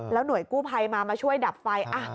แล้วหน่วยกู้ไภมามาช่วยดับไฟ